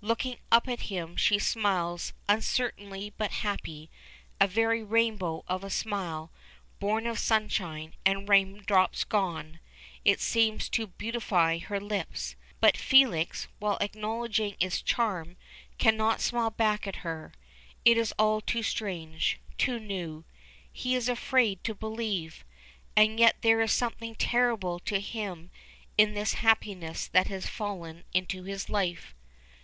Looking up at him, she smiles, uncertainly but happily, a very rainbow of a smile, born of sunshine, and, raindrops gone, it seems to beautify her lips. But Felix, while acknowledging its charm, cannot smile back at her. It is all too strange, too new. He is afraid to believe. As yet there is something terrible to him in this happiness that has fallen into his life.